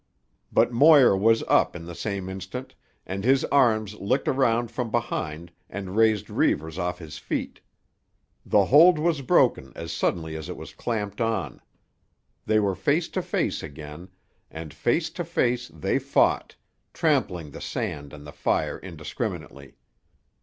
But Moir was up in the same instant and his arms licked around from behind and raised Reivers off his feet. The hold was broken as suddenly as it was clamped on. They were face to face again, and face to face they fought, trampling the sand and the fire indiscriminately.